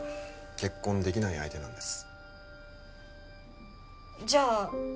結婚できない相手なんですじゃあ